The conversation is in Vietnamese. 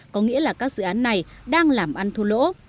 có nghĩa là các dự án này đang làm ăn thua lỗ